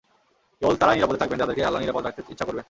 কেবল তারাই নিরাপদ থাকবেন, যাদেরকে আল্লাহ নিরাপদ রাখতে ইচ্ছা করবেন।